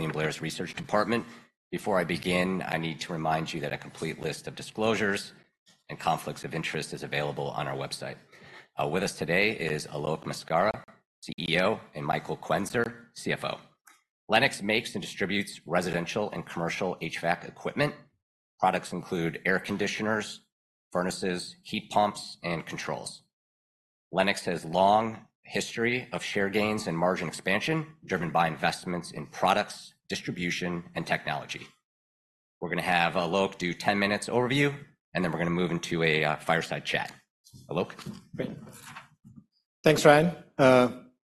William Blair's research department. Before I begin, I need to remind you that a complete list of disclosures and conflicts of interest is available on our website. With us today is Alok Maskara, CEO, and Michael Quenzer, CFO. Lennox makes and distributes residential and commercial HVAC equipment. Products include air conditioners, furnaces, heat pumps, and controls. Lennox has long history of share gains and margin expansion, driven by investments in products, distribution, and technology. We're gonna have Alok do 10 minutes overview, and then we're gonna move into a fireside chat. Alok? Great. Thanks, Ryan.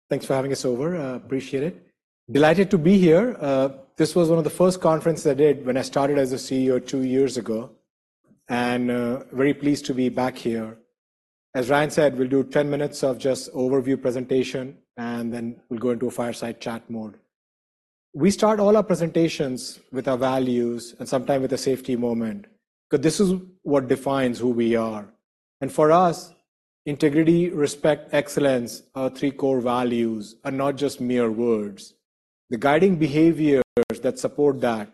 Thanks for having us over. Appreciate it. Delighted to be here. This was one of the first conferences I did when I started as a CEO two years ago, and very pleased to be back here. As Ryan said, we'll do 10 minutes of just overview presentation, and then we'll go into a fireside chat mode. We start all our presentations with our values and sometimes with a safety moment, because this is what defines who we are. And for us, integrity, respect, excellence, are our three core values, are not just mere words. The guiding behaviors that support that,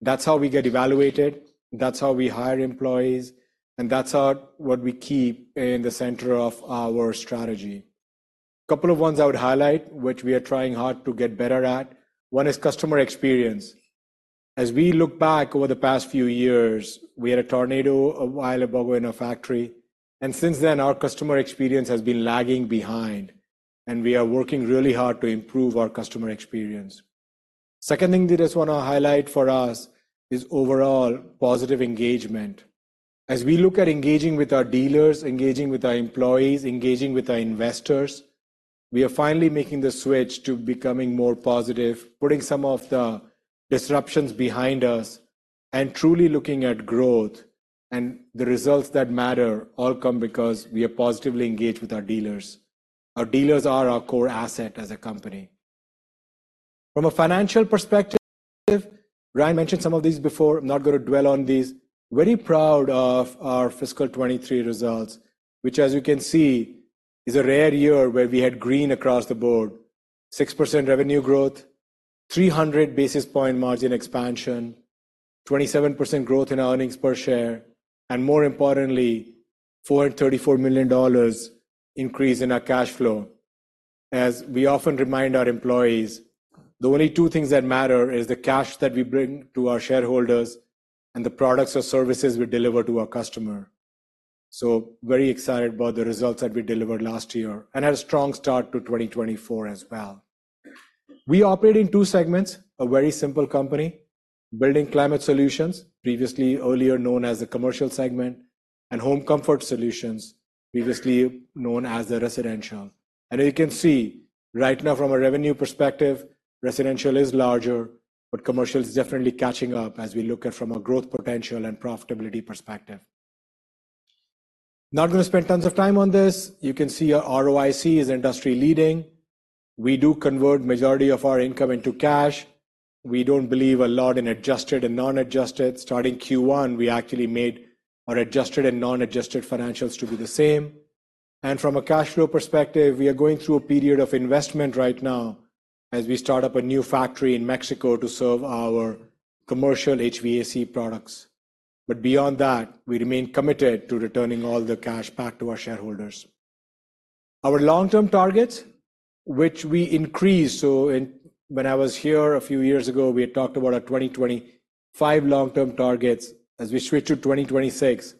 that's how we get evaluated, that's how we hire employees, and that's our, what we keep in the center of our strategy. A couple of ones I would highlight, which we are trying hard to get better at, one is customer experience. As we look back over the past few years, we had a tornado a while ago in our factory, and since then, our customer experience has been lagging behind, and we are working really hard to improve our customer experience. Second thing I just wanna highlight for us is overall positive engagement. As we look at engaging with our dealers, engaging with our employees, engaging with our investors, we are finally making the switch to becoming more positive, putting some of the disruptions behind us, and truly looking at growth. The results that matter all come because we are positively engaged with our dealers. Our dealers are our core asset as a company. From a financial perspective, Ryan mentioned some of these before. I'm not gonna dwell on these. Very proud of our fiscal 2023 results, which, as you can see, is a rare year where we had green across the board. 6% revenue growth, 300 basis point margin expansion, 27% growth in earnings per share, and more importantly, $434 million increase in our cash flow. As we often remind our employees, the only two things that matter is the cash that we bring to our shareholders and the products or services we deliver to our customer. So very excited about the results that we delivered last year, and had a strong start to 2024 as well. We operate in two segments, a very simple company: Building Climate Solutions, previously earlier known as the commercial segment, and Home Comfort Solutions, previously known as the residential. You can see right now, from a revenue perspective, residential is larger, but commercial is definitely catching up as we look at from a growth potential and profitability perspective. Not gonna spend tons of time on this. You can see our ROIC is industry-leading. We do convert majority of our income into cash. We don't believe a lot in adjusted and non-adjusted. Starting Q1, we actually made our adjusted and non-adjusted financials to be the same. And from a cash flow perspective, we are going through a period of investment right now as we start up a new factory in Mexico to serve our commercial HVAC products. But beyond that, we remain committed to returning all the cash back to our shareholders. Our long-term targets, which we increased. So, when I was here a few years ago, we had talked about our 2025 long-term targets. As we switch to 2026,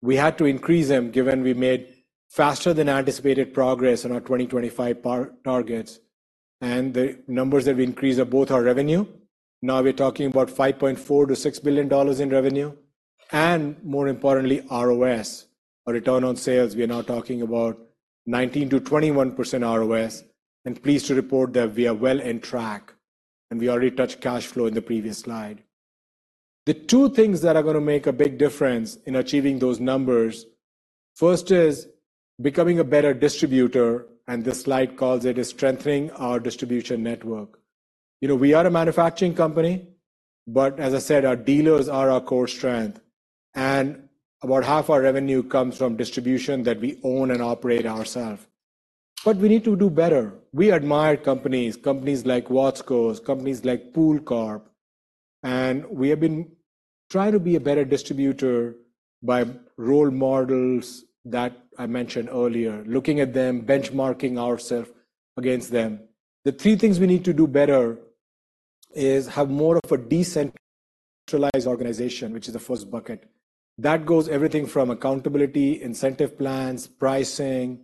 we had to increase them, given we made faster than anticipated progress in our 2025 prior targets. The numbers that we increased are both our revenue, now we're talking about $5.4 billion-$6 billion in revenue, and more importantly, ROS, our return on sales. We are now talking about 19%-21% ROS, and pleased to report that we are well on track, and we already touched cash flow in the previous slide. The two things that are gonna make a big difference in achieving those numbers, first, is becoming a better distributor, and this slide calls it, is strengthening our distribution network. You know, we are a manufacturing company, but as I said, our dealers are our core strength, and about half our revenue comes from distribution that we own and operate ourselves. But we need to do better. We admire companies, companies like Watsco, companies like Pool Corp, and we have been trying to be a better distributor by role models that I mentioned earlier, looking at them, benchmarking ourselves against them. The three things we need to do better is have more of a decentralized organization, which is the first bucket. That goes everything from accountability, incentive plans, pricing,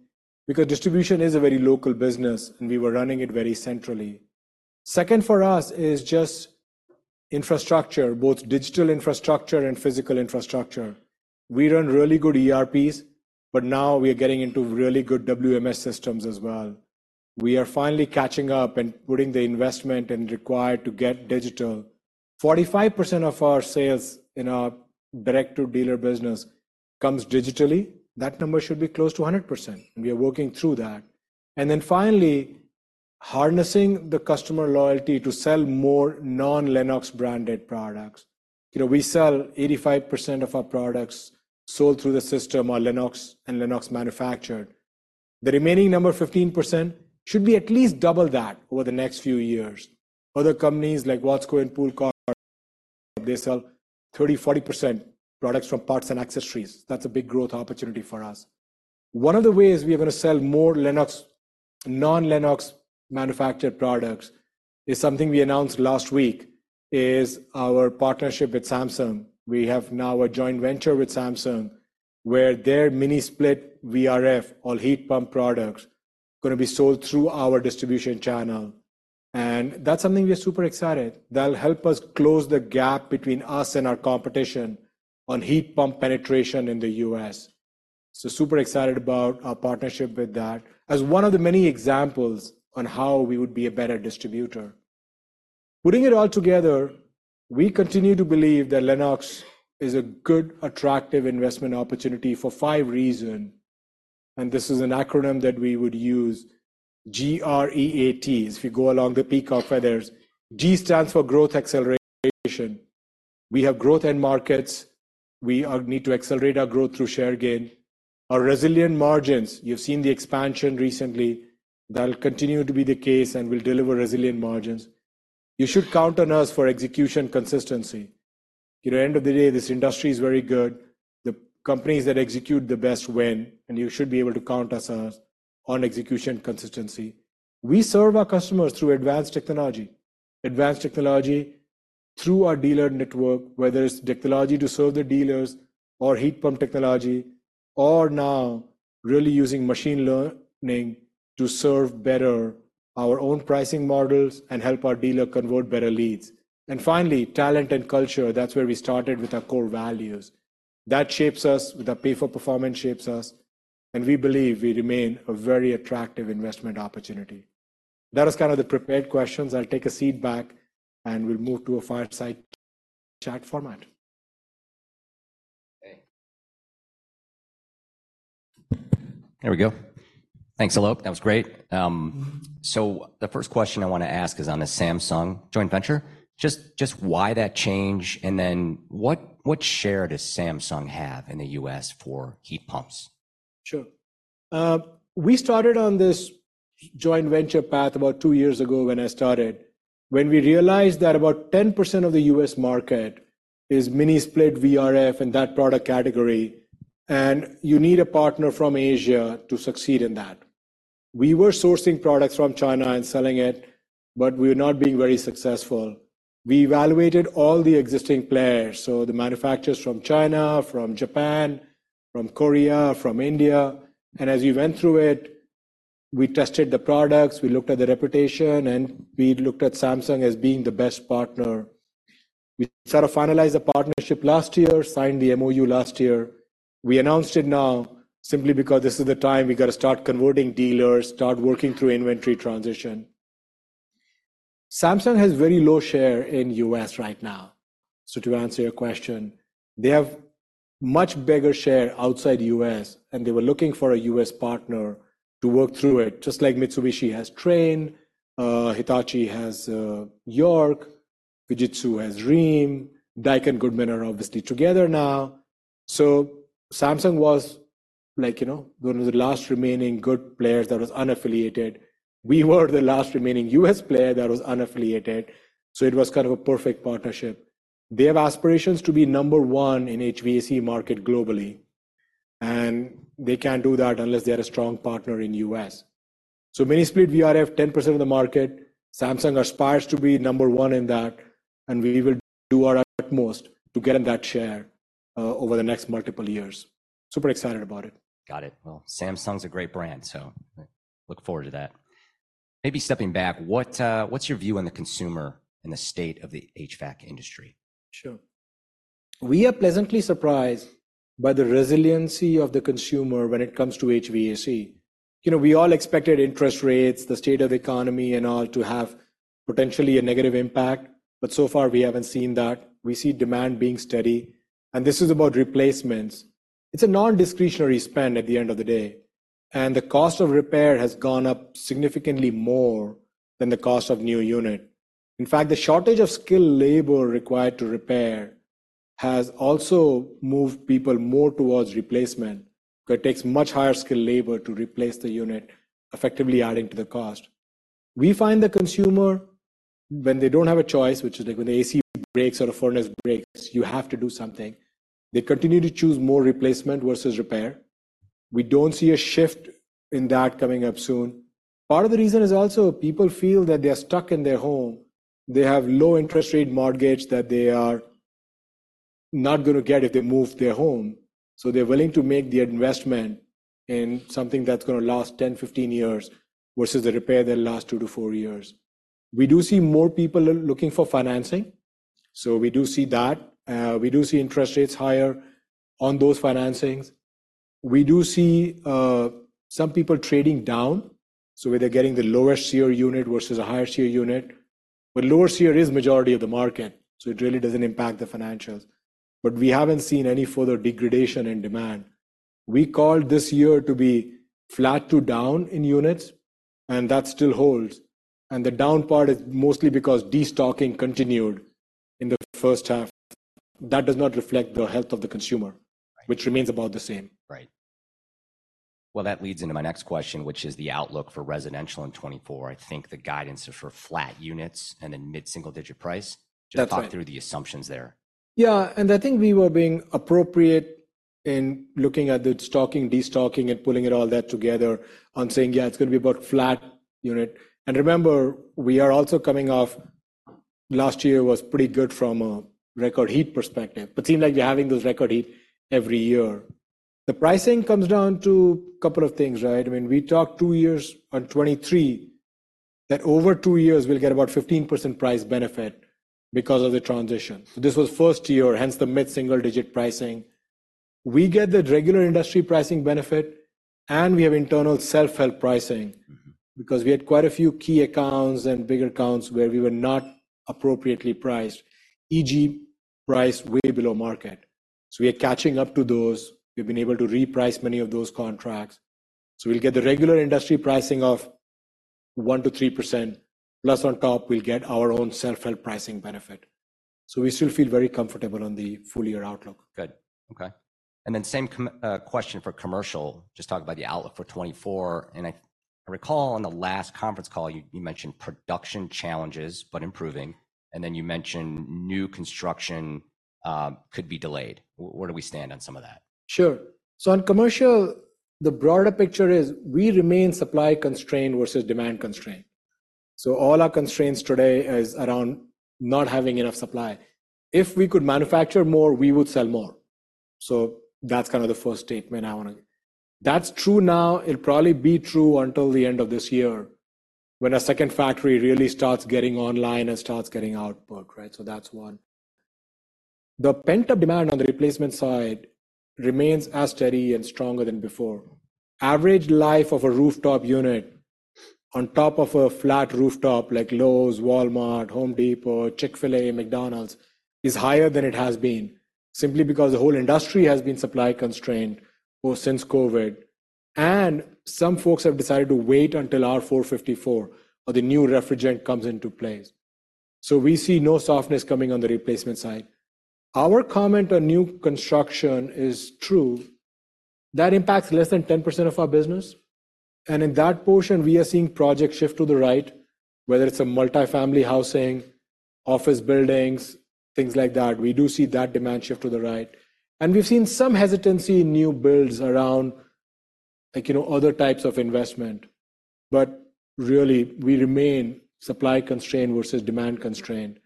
because distribution is a very local business, and we were running it very centrally. Second for us is just infrastructure, both digital infrastructure and physical infrastructure. We run really good ERPs, but now we are getting into really good WMS systems as well. We are finally catching up and putting the investment and required to get digital. 45% of our sales in our direct-to-dealer business comes digitally. That number should be close to 100%, and we are working through that. And then finally, harnessing the customer loyalty to sell more non-Lennox-branded products. You know, we sell 85% of our products sold through the system are Lennox and Lennox manufactured.... The remaining number, 15%, should be at least double that over the next few years. Other companies like Watsco and Pool Corp, they sell 30%-40% products from parts and accessories. That's a big growth opportunity for us. One of the ways we are gonna sell more Lennox, non-Lennox manufactured products is something we announced last week, is our partnership with Samsung. We have now a joint venture with Samsung, where their mini-split VRF or heat pump products gonna be sold through our distribution channel, and that's something we're super excited. That'll help us close the gap between us and our competition on heat pump penetration in the U.S. So super excited about our partnership with that as one of the many examples on how we would be a better distributor. Putting it all together, we continue to believe that Lennox is a good, attractive investment opportunity for five reasons, and this is an acronym that we would use, G-R-E-A-T. If you go along the peacock feathers, G stands for growth acceleration. We have growth end markets. We need to accelerate our growth through share gain. Our resilient margins, you've seen the expansion recently. That'll continue to be the case and will deliver resilient margins. You should count on us for execution consistency. At the end of the day, this industry is very good. The companies that execute the best win, and you should be able to count us on execution consistency. We serve our customers through advanced technology. Advanced technology through our dealer network, whether it's technology to serve the dealers or heat pump technology, or now really using machine learning to serve better our own pricing models and help our dealer convert better leads. And finally, talent and culture. That's where we started with our core values. That shapes us, with our pay for performance shapes us, and we believe we remain a very attractive investment opportunity. That is kind of the prepared questions. I'll take a seat back, and we'll move to a fireside chat format. There we go. Thanks, Alok. That was great. So, the first question I wanna ask is on the Samsung joint venture. Just, just why that change, and then what, what share does Samsung have in the U.S. for heat pumps? Sure. We started on this joint venture path about two years ago when I started, when we realized that about 10% of the U.S. market is mini-split VRF in that product category, and you need a partner from Asia to succeed in that. We were sourcing products from China and selling it, but we were not being very successful. We evaluated all the existing players, so the manufacturers from China, from Japan, from Korea, from India, and as we went through it, we tested the products, we looked at the reputation, and we looked at Samsung as being the best partner. We sort of finalized the partnership last year, signed the MOU last year. We announced it now simply because this is the time we got to start converting dealers, start working through inventory transition. Samsung has very low share in U.S. right now. So to answer your question, they have much bigger share outside U.S., and they were looking for a U.S. partner to work through it, just like Mitsubishi has Trane, Hitachi has York, Fujitsu has Rheem, Daikin and Goodman are obviously together now. So Samsung was like, you know, one of the last remaining good players that was unaffiliated. We were the last remaining U.S. player that was unaffiliated, so it was kind of a perfect partnership. They have aspirations to be number one in HVAC market globally, and they can't do that unless they had a strong partner in the U.S. So mini-split VRF, 10% of the market, Samsung aspires to be number one in that, and we will do our utmost to get in that share, over the next multiple years. Super excited about it. Got it. Well, Samsung's a great brand, so look forward to that. Maybe stepping back, what, what's your view on the consumer and the state of the HVAC industry? Sure. We are pleasantly surprised by the resiliency of the consumer when it comes to HVAC. You know, we all expected interest rates, the state of economy and all to have potentially a negative impact, but so far, we haven't seen that. We see demand being steady, and this is about replacements. It's a non-discretionary spend at the end of the day, and the cost of repair has gone up significantly more than the cost of new unit. In fact, the shortage of skilled labor required to repair has also moved people more towards replacement. It takes much higher skilled labor to replace the unit, effectively adding to the cost. We find the consumer, when they don't have a choice, which is like when the AC breaks or the furnace breaks, you have to do something. They continue to choose more replacement versus repair. We don't see a shift in that coming up soon. Part of the reason is also people feel that they are stuck in their home. They have low interest rate mortgage that they are not gonna get if they move their home, so they're willing to make the investment in something that's gonna last 10 year, 15 years versus a repair that lasts two to four years. We do see more people looking for financing, so we do see that. We do see interest rates higher on those financings. We do see some people trading down, so where they're getting the lower SEER unit versus a higher SEER unit, but lower SEER is majority of the market, so it really doesn't impact the financials. But we haven't seen any further degradation in demand. We called this year to be flat to down in units, and that still holds, and the down part is mostly because destocking continued in the first half... that does not reflect the health of the consumer- Right. which remains about the same. Right. Well, that leads into my next question, which is the outlook for residential in 2024. I think the guidance is for flat units and then mid-single-digit price. That's right. Just talk through the assumptions there. Yeah, and I think we were being appropriate in looking at the stocking, de-stocking, and pulling it all that together and saying, "Yeah, it's gonna be about flat unit." And remember, we are also coming off last year was pretty good from a record heat perspective, but seems like you're having those record heat every year. The pricing comes down to a couple of things, right? When we talked two years on 2023, that over two years we'll get about 15% price benefit because of the transition. So this was first year, hence the mid-single-digit pricing. We get the regular industry pricing benefit, and we have internal self-help pricing- Mm-hmm. Because we had quite a few key accounts and big accounts where we were not appropriately priced, e.g., priced way below market. So we are catching up to those. We've been able to reprice many of those contracts. So we'll get the regular industry pricing of 1%-3%, plus on top, we'll get our own self-help pricing benefit. So we still feel very comfortable on the full year outlook. Good. Okay. And then same question for commercial. Just talk about the outlook for 2024. And I recall on the last conference call, you mentioned production challenges, but improving, and then you mentioned new construction could be delayed. Where do we stand on some of that? Sure. So on commercial, the broader picture is we remain supply-constrained versus demand-constrained. So all our constraints today is around not having enough supply. If we could manufacture more, we would sell more. So that's kind of the first statement I wanna... That's true now. It'll probably be true until the end of this year when our second factory really starts getting online and starts getting output, right? So that's one. The pent-up demand on the replacement side remains as steady and stronger than before. Average life of a rooftop unit on top of a flat rooftop, like Lowe's, Walmart, Home Depot, Chick-fil-A, McDonald's, is higher than it has been simply because the whole industry has been supply-constrained post-COVID, and some folks have decided to wait until R-454B, or the new refrigerant, comes into place. So we see no softness coming on the replacement side. Our comment on new construction is true. That impacts less than 10% of our business, and in that portion, we are seeing projects shift to the right, whether it's a multi-family housing, office buildings, things like that. We do see that demand shift to the right. We've seen some hesitancy in new builds around, like, you know, other types of investment. But really, we remain supply-constrained versus demand-constrained,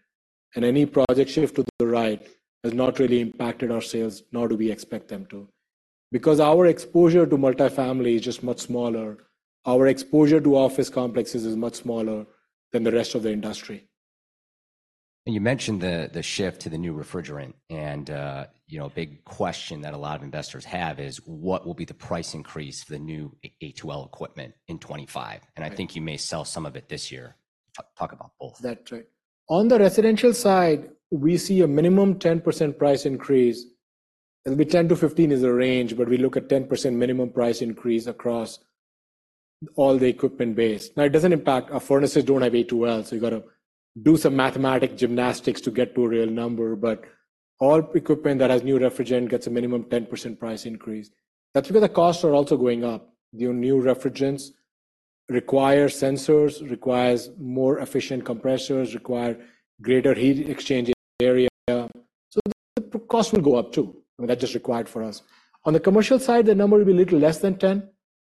and any project shift to the right has not really impacted our sales, nor do we expect them to. Because our exposure to multi-family is just much smaller, our exposure to office complexes is much smaller than the rest of the industry. You mentioned the shift to the new refrigerant, and you know, a big question that a lot of investors have is: What will be the price increase for the new A2L equipment in 2025? Right. I think you may sell some of it this year. Talk about both. That's right. On the residential side, we see a minimum 10% price increase. It'll be 10-15; that's the range, but we look at 10% minimum price increase across all the equipment base. Now, it doesn't impact... our furnaces don't have A2L, so you've got to do some mathematical gymnastics to get to a real number. But all equipment that has new refrigerant gets a minimum 10% price increase. That's where the costs are also going up. The new refrigerants require sensors, requires more efficient compressors, require greater heat exchanges area. So the cost will go up, too, and that is required for us. On the commercial side, the number will be a little less than 10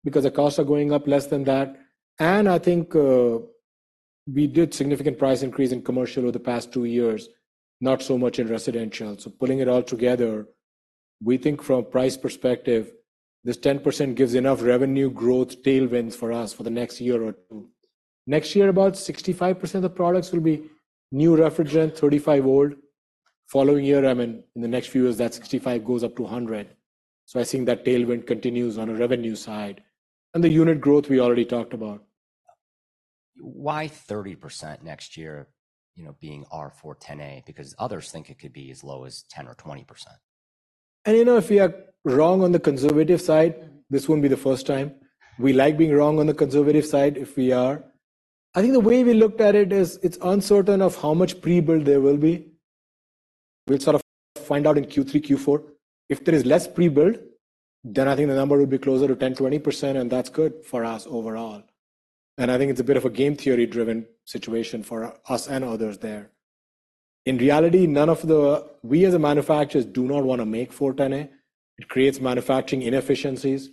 because the costs are going up less than that, and I think, we did significant price increase in commercial over the past two years, not so much in residential. So pulling it all together, we think from a price perspective, this 10% gives enough revenue growth tailwinds for us for the next year or two. Next year, about 65% of the products will be new refrigerant, 35, old. Following year, I mean, in the next few years, that 65 goes up to 100. So I think that tailwind continues on the revenue side. And the unit growth we already talked about. Why 30% next year, you know, being R-410A? Because others think it could be as low as 10% or 20%. You know, if we are wrong on the conservative side, this wouldn't be the first time. We like being wrong on the conservative side if we are. I think the way we looked at it is it's uncertain of how much pre-build there will be. We'll sort of find out in Q3, Q4. If there is less pre-build, then I think the number will be closer to 10%-20%, and that's good for us overall. I think it's a bit of a game theory-driven situation for us and others there. In reality, none of the... we, as the manufacturers, do not wanna make R-410A. It creates manufacturing inefficiencies.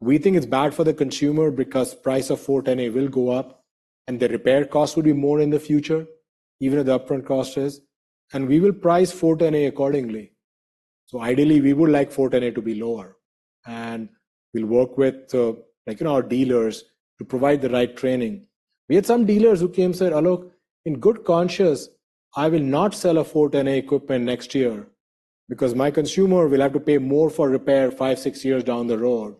We think it's bad for the consumer because price of R-410A will go up, and the repair costs will be more in the future, even with the upfront costs is, and we will price R-410A accordingly. So ideally, we would like R-410A to be lower, and we'll work with, like, you know, our dealers to provide the right training. We had some dealers who came, said, "Alok, in good conscience, I will not sell a R-410A equipment next year because my consumer will have to pay more for repair five year, six years down the road,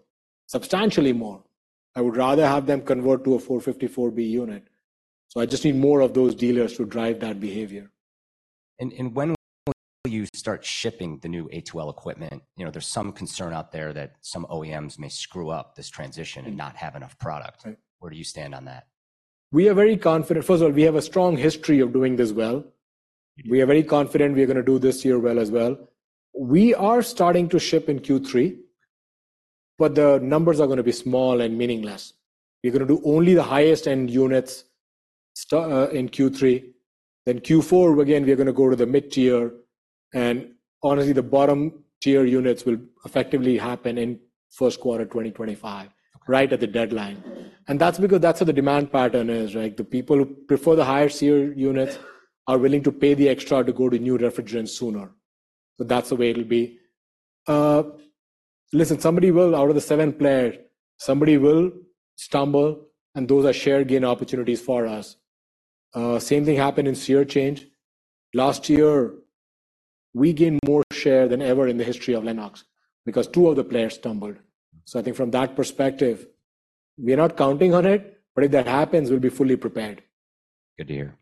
substantially more. I would rather have them convert to a R-454B unit." So I just need more of those dealers to drive that behavior. When will you start shipping the new A2L equipment? You know, there's some concern out there that some OEMs may screw up this transition- Mm. and not have enough product. Right. Where do you stand on that?... We are very confident. First of all, we have a strong history of doing this well. We are very confident we are gonna do this year well as well. We are starting to ship in Q3, but the numbers are gonna be small and meaningless. We're gonna do only the highest-end units in Q3. Then Q4, again, we're gonna go to the mid-tier, and honestly, the bottom-tier units will effectively happen in first quarter 2025, right at the deadline. And that's because that's what the demand pattern is, right? The people who prefer the higher-tier units are willing to pay the extra to go to new refrigerants sooner. So that's the way it'll be. Listen, somebody will out of the seven players, somebody will stumble, and those are share gain opportunities for us. Same thing happened in SEER change. Last year, we gained more share than ever in the history of Lennox because two of the players stumbled. So I think from that perspective, we are not counting on it, but if that happens, we'll be fully prepared. Good to hear.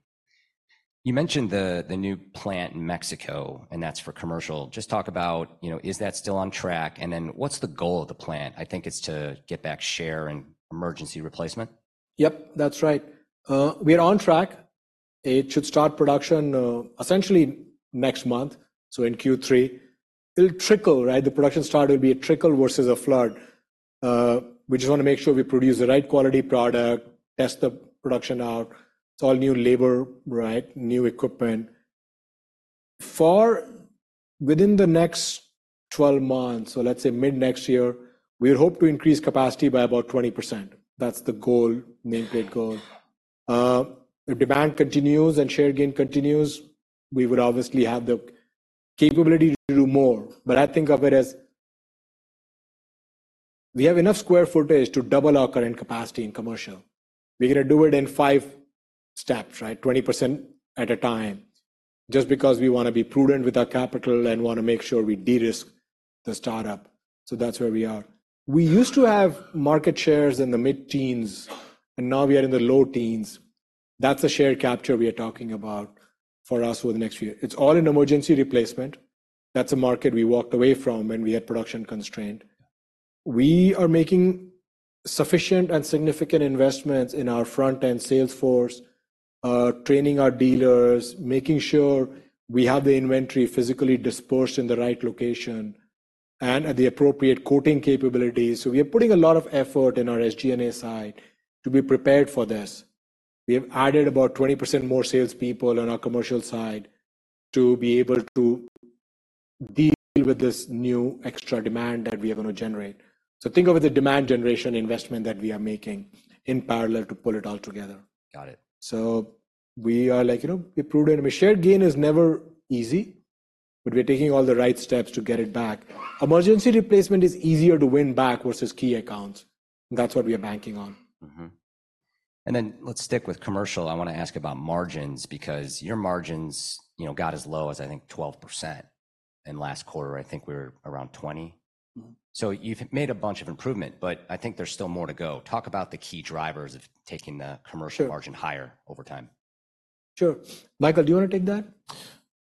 You mentioned the new plant in Mexico, and that's for commercial. Just talk about, you know, is that still on track, and then what's the goal of the plant? I think it's to get back share and emergency replacement. Yep, that's right. We are on track. It should start production, essentially next month, so in Q3. It'll trickle, right? The production start will be a trickle versus a flood. We just wanna make sure we produce the right quality product, test the production out. It's all new labor, right? New equipment. For within the next 12 months, so let's say mid-next year, we hope to increase capacity by about 20%. That's the goal, main plate goal. If demand continues and share gain continues, we would obviously have the capability to do more, but I think of it as... We have enough square footage to double our current capacity in commercial. We're gonna do it in five steps, right? 20% at a time, just because we wanna be prudent with our capital and wanna make sure we de-risk the startup. So that's where we are. We used to have market shares in the mid-teens, and now we are in the low teens. That's the share capture we are talking about for us over the next few years. It's all in emergency replacement. That's a market we walked away from when we had production constraint. We are making sufficient and significant investments in our front-end sales force, training our dealers, making sure we have the inventory physically dispersed in the right location and at the appropriate quoting capabilities. So we are putting a lot of effort in our SG&A side to be prepared for this. We have added about 20% more salespeople on our commercial side to be able to deal with this new extra demand that we are gonna generate. So think of the demand generation investment that we are making in parallel to pull it all together. Got it. So we are like, you know, we're prudent. A share gain is never easy, but we're taking all the right steps to get it back. Emergency replacement is easier to win back versus key accounts. That's what we are banking on. Mm-hmm. And then let's stick with commercial. I wanna ask about margins, because your margins, you know, got as low as, I think, 12% in last quarter. I think we were around 20. Mm-hmm. So you've made a bunch of improvement, but I think there's still more to go. Talk about the key drivers of taking the- Sure... commercial margin higher over time. Sure. Michael, do you wanna take that?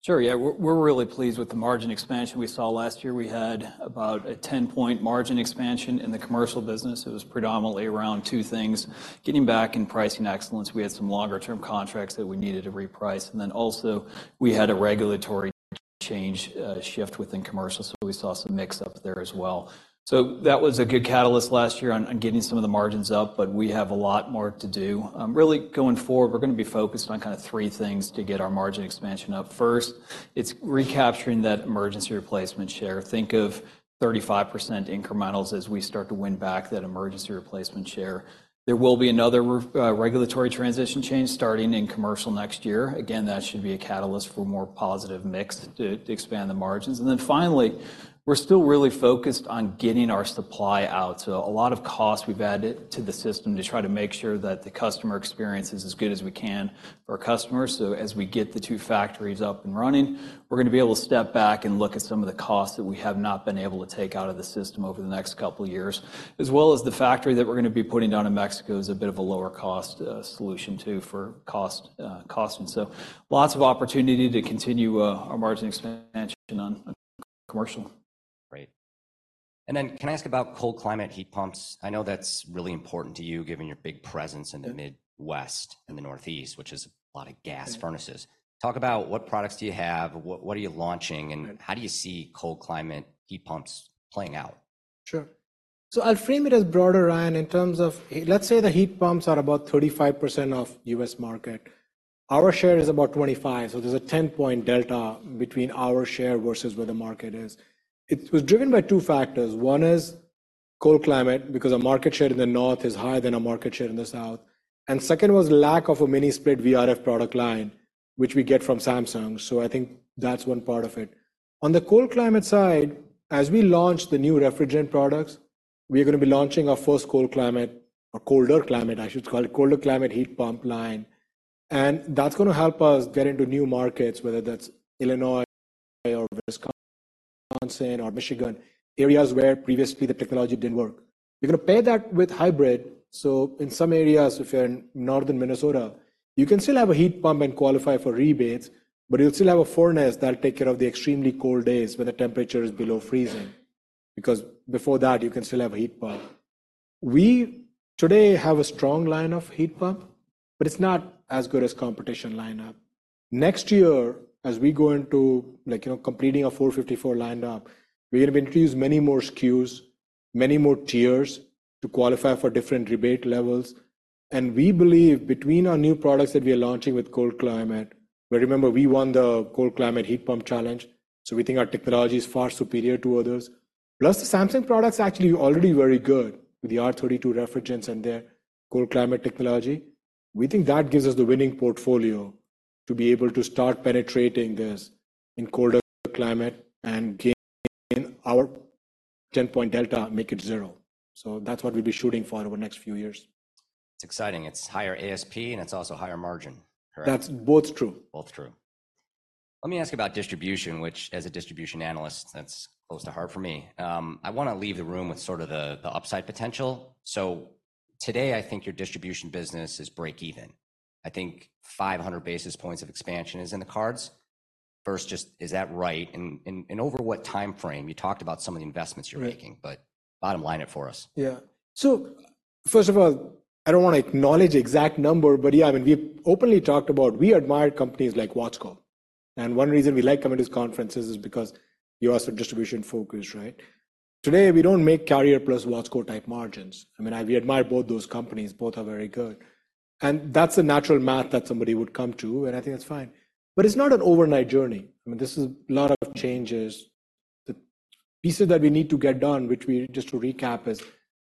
Sure, yeah. We're really pleased with the margin expansion we saw last year. We had about a 10-point margin expansion in the commercial business. It was predominantly around two things: getting back and pricing excellence. We had some longer-term contracts that we needed to reprice, and then also, we had a regulatory change shift within commercial, so we saw some mix-up there as well. So that was a good catalyst last year on getting some of the margins up, but we have a lot more to do. Really, going forward, we're gonna be focused on kind of three things to get our margin expansion up. First, it's recapturing that emergency replacement share. Think of 35% incrementals as we start to win back that emergency replacement share. There will be another regulatory transition change starting in commercial next year. Again, that should be a catalyst for more positive mix to, to expand the margins. And then finally, we're still really focused on getting our supply out. So a lot of costs we've added to the system to try to make sure that the customer experience is as good as we can for our customers. So as we get the two factories up and running, we're gonna be able to step back and look at some of the costs that we have not been able to take out of the system over the next couple of years, as well as the factory that we're gonna be putting down in Mexico is a bit of a lower cost, solution, too, for cost, cost. And so lots of opportunity to continue, our margin expansion on commercial. Great. And then can I ask about cold climate heat pumps? I know that's really important to you, given your big presence- Mm... in the Midwest and the Northeast, which is a lot of gas furnaces. Yeah. Talk about what products do you have, what, what are you launching, and- Good... How do you see cold climate heat pumps playing out? Sure. So I'll frame it as broader, Ryan, in terms of let's say the heat pumps are about 35% of US market. Our share is about 25, so there's a 10-point delta between our share versus where the market is. It was driven by two factors: one is cold climate, because our market share in the North is higher than our market share in the South, and second was lack of a mini-split VRF product line, which we get from Samsung. So I think that's one part of it. On the cold climate side, as we launch the new refrigerant products, we are gonna be launching our first cold climate, or colder climate, I should call it, colder climate heat pump line, and that's gonna help us get into new markets, whether that's Illinois or Wisconsin or Michigan, areas where previously the technology didn't work. We're gonna pair that with hybrid, so in some areas, if you're in northern Minnesota, you can still have a heat pump and qualify for rebates, but you'll still have a furnace that'll take care of the extremely cold days when the temperature is below freezing, because before that, you can still have a heat pump. We today have a strong line of heat pump, but it's not as good as competition line up. Next year, as we go into, like, you know, completing our 454 lineup, we're gonna increase many more SKUs, many more tiers to qualify for different rebate levels. And we believe between our new products that we are launching with cold climate, but remember, we won the Cold Climate Heat Pump Challenge, so we think our technology is far superior to others. Plus, the Samsung products are actually already very good with the R-32 refrigerants and their cold climate technology. We think that gives us the winning portfolio to be able to start penetrating this in colder climate and gain our 10-point delta and make it zero. So that's what we'll be shooting for over the next few years. It's exciting. It's higher ASP, and it's also higher margin, correct? That's both true. Both true. Let me ask about distribution, which, as a distribution analyst, that's close to heart for me. I wanna leave the room with sort of the upside potential. So today, I think your distribution business is break even. I think 500 basis points of expansion is in the cards. First, just is that right? And over what timeframe? You talked about some of the investments you're making- Right. But bottom line it for us. Yeah. So first of all, I don't wanna acknowledge the exact number, but yeah, I mean, we openly talked about we admire companies like Watsco. And one reason we like coming to these conferences is because you are so distribution-focused, right? Today, we don't make Carrier plus Watsco type margins. I mean, I... We admire both those companies. Both are very good, and that's a natural math that somebody would come to, and I think that's fine. But it's not an overnight journey. I mean, this is a lot of changes. The pieces that we need to get done, which we, just to recap, is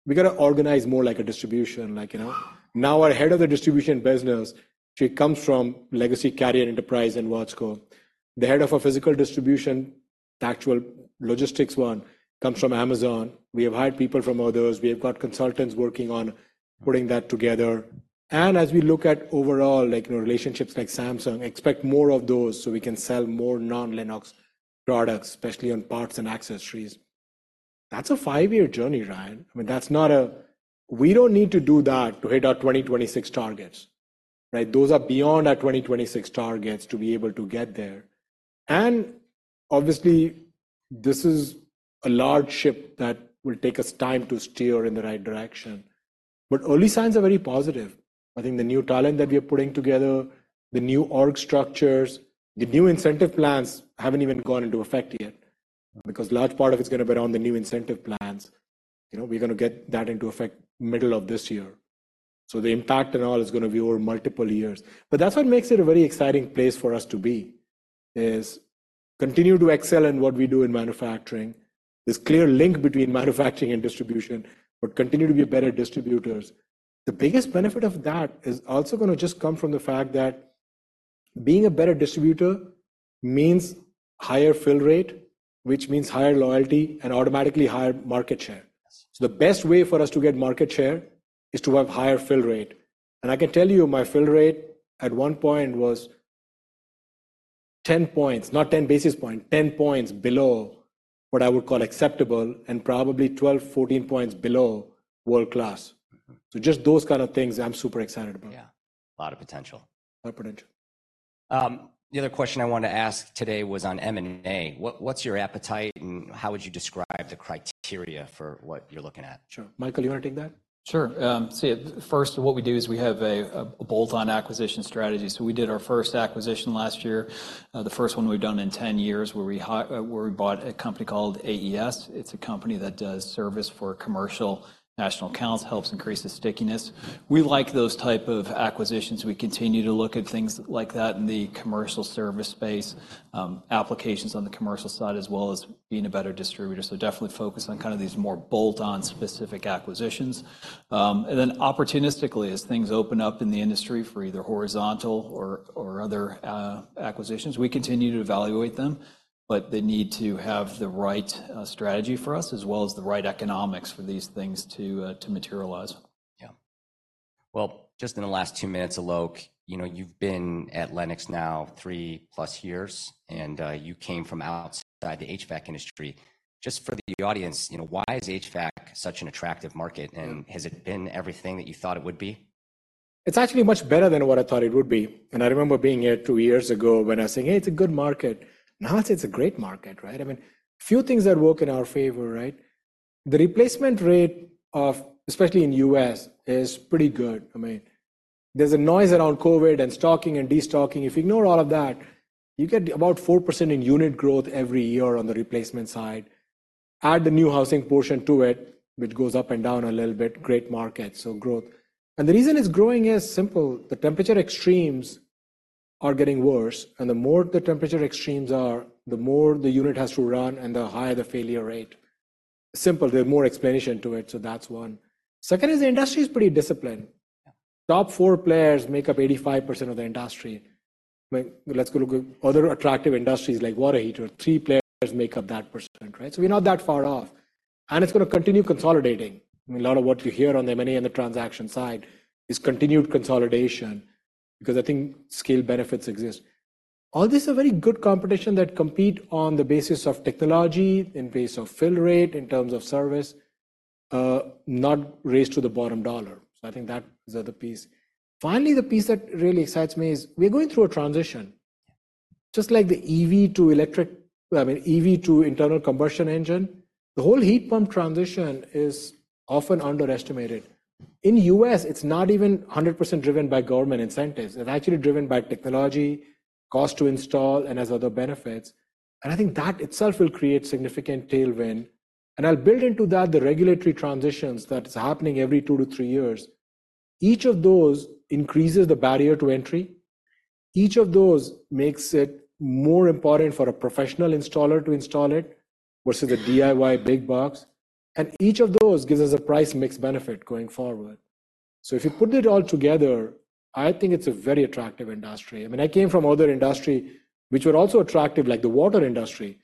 we gotta organize more like a distribution, like, you know. Now, our head of the distribution business, she comes from Legacy Carrier Enterprise, and Watsco. The head of our physical distribution, the actual logistics one, comes from Amazon. We have hired people from others. We have got consultants working on putting that together. As we look at overall, like, you know, relationships like Samsung, expect more of those so we can sell more non-Lennox products, especially on parts and accessories. That's a five-year journey, Ryan. I mean, that's not a, we don't need to do that to hit our 2026 targets, right? Those are beyond our 2026 targets to be able to get there. Obviously, this is a large ship that will take us time to steer in the right direction. Early signs are very positive. I think the new talent that we are putting together, the new org structures, the new incentive plans haven't even gone into effect yet, because a large part of it's gonna be around the new incentive plans. You know, we're gonna get that into effect middle of this year. So the impact and all is gonna be over multiple years. But that's what makes it a very exciting place for us to be, is continue to excel in what we do in manufacturing. There's clear link between manufacturing and distribution, but continue to be better distributors. The biggest benefit of that is also gonna just come from the fact that being a better distributor means higher fill rate, which means higher loyalty and automatically higher market share. Yes. The best way for us to get market share is to have higher fill rate. I can tell you my fill rate at one point was 10 points, not 10 basis point, 10 points below what I would call acceptable, and probably 12 points, 14 points below world-class. Mm-hmm. Just those kind of things I'm super excited about. Yeah, a lot of potential. A lot of potential. The other question I wanted to ask today was on M&A. What's your appetite, and how would you describe the criteria for what you're looking at? Sure. Michael, you wanna take that? Sure. So first, what we do is we have a bolt-on acquisition strategy. So we did our first acquisition last year, the first one we've done in 10 years, where we bought a company called AES. It's a company that does service for commercial national accounts, helps increase the stickiness. We like those type of acquisitions. We continue to look at things like that in the commercial service space, applications on the commercial side, as well as being a better distributor. So definitely focus on kind of these more bolt-on specific acquisitions. And then opportunistically, as things open up in the industry for either horizontal or other acquisitions, we continue to evaluate them, but they need to have the right strategy for us, as well as the right economics for these things to materialize. Yeah. Well, just in the last two minutes, Alok, you know, you've been at Lennox now 3+ years, and you came from outside the HVAC industry. Just for the audience, you know, why is HVAC such an attractive market, and has it been everything that you thought it would be? It's actually much better than what I thought it would be. I remember being here two years ago when I was saying, "Hey, it's a good market." Now I'd say it's a great market, right? I mean, a few things that work in our favor, right? The replacement rate of, especially in U.S., is pretty good. I mean, there's a noise around COVID and stocking and de-stocking. If you ignore all of that, you get about 4% in unit growth every year on the replacement side. Add the new housing portion to it, which goes up and down a little bit, great market, so growth. The reason it's growing is simple: the temperature extremes are getting worse, and the more the temperature extremes are, the more the unit has to run and the higher the failure rate. Simple. There's more explanation to it, so that's one. Second, the industry is pretty disciplined. Yeah. Top four players make up 85% of the industry. But let's go to other attractive industries, like water heater. Three players make up that percent, right? So we're not that far off, and it's gonna continue consolidating. I mean, a lot of what you hear on the M&A and the transaction side is continued consolidation because I think scale benefits exist. All these are very good competition that compete on the basis of technology, in base of fill rate, in terms of service, not race to the bottom dollar. So I think that is the other piece. Finally, the piece that really excites me is we're going through a transition. Yeah. Just like the EV to internal combustion engine, the whole heat pump transition is often underestimated. In the U.S., it's not even 100% driven by government incentives. It's actually driven by technology, cost to install, and has other benefits, and I think that itself will create significant tailwind. I'll build into that the regulatory transitions that is happening every two to three years. Each of those increases the barrier to entry. Each of those makes it more important for a professional installer to install it versus a DIY big box, and each of those gives us a price mix benefit going forward. If you put it all together, I think it's a very attractive industry. I mean, I came from other industry, which were also attractive, like the water industry,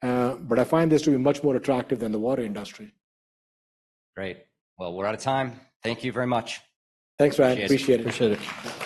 but I find this to be much more attractive than the water industry. Great. Well, we're out of time. Thank you very much. Thanks, Ryan. Appreciate it. Appreciate it.